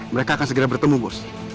mereka akan segera bertemu gus